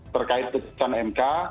terkait putusan mk